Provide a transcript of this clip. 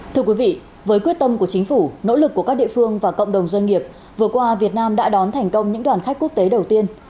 thưa quý vị với quyết tâm của chính phủ nỗ lực của các địa phương và cộng đồng doanh nghiệp vừa qua việt nam đã đón thành công những đoàn khách quốc tế đầu tiên